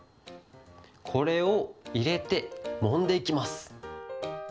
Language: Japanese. これをいれてもんでいきます。